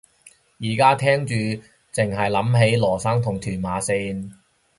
而家聽住剩係諗起羅生同屯馬綫